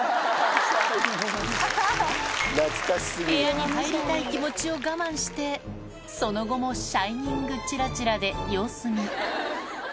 部屋に入りたい気持ちを我慢してその後も『シャイニング』チラチラで様子見